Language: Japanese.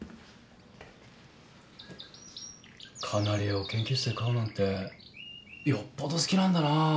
カナリアを研究室で飼うなんてよっぽど好きなんだな。